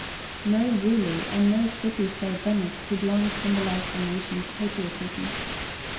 No ruler, and no city save Venice, could long symbolize the nation's patriotism.